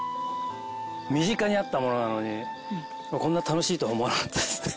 身近にあったものなのにこんなに楽しいとは思わなかったですね。